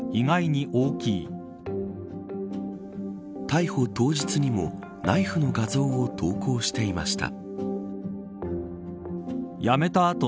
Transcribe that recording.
逮捕当日にもナイフの画像を投稿していました。